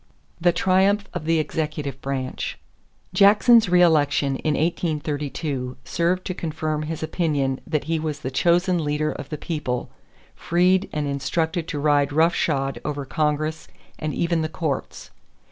=The Triumph of the Executive Branch.= Jackson's reëlection in 1832 served to confirm his opinion that he was the chosen leader of the people, freed and instructed to ride rough shod over Congress and even the courts.